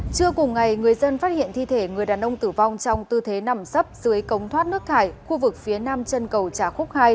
trưa cùng ngày người dân phát hiện thi thể người đàn ông tử vong trong tư thế nằm sấp dưới cống thoát nước thải khu vực phía nam chân cầu trà khúc hai